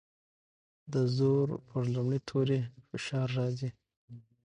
د زور پر لومړي توري فشار راځي.